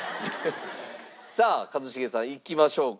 さあ一茂さんいきましょうか。